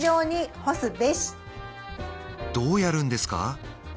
どうやるんですか？